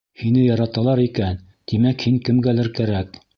Һине яраталар икән, тимәк, һин кемгәлер кәрәк.